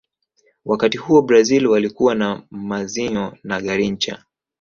Wakati huo brazil walikuwa na mazinho na garincha